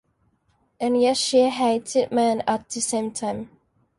And yet she hated men at the same time.